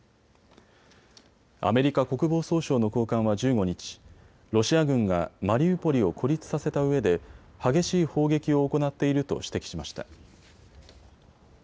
アメリカ国防総省の高官は１５日、ロシア軍がマリウポリを孤立させたうえで激しい砲撃を行っていると指摘しました。